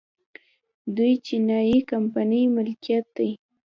د یوې چینايي کمپنۍ ملکیت دی